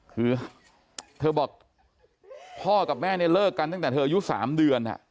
คือเธอบอกพ่อกับแม่เนี่ยเลิกกันตั้งแต่เธออายุ๓เดือน